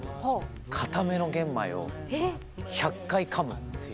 硬めの玄米を１００回かむっていう。